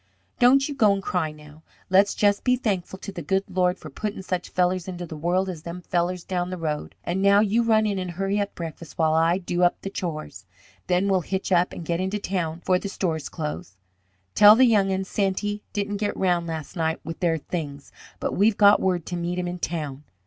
"Don't you go and cry now. Let's just be thankful to the good Lord for puttin' such fellers into the world as them fellers down the road. And now you run in and hurry up breakfast while I do up the chores. Then we'll hitch up and get into town 'fore the stores close. Tell the young 'uns Santy didn't get round last night with their things, but we've got word to meet him in town.